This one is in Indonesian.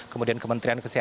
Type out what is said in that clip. kemudian kementerian sosial